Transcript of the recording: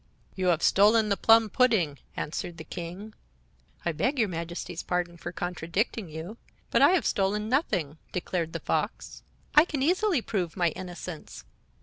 "You have stolen the plum pudding," answered the King. "I beg your Majesty's pardon for contradicting you, but I have stolen nothing," declared the Fox. "I can easily prove my innocence.